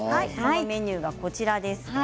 メニューはこちらですね。